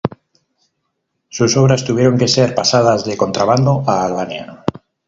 Sus obras tuvieron que ser pasadas de contrabando a Albania.